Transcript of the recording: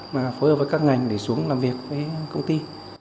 mà phối hợp với các ngành để xuống làm việc với công ty